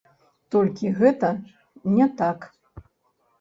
Толькі гэта не так.